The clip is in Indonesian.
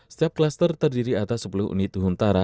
setiap klaster terdiri atas sepuluh unit huntara